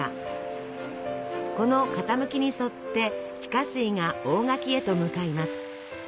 この傾きに沿って地下水が大垣へと向かいます。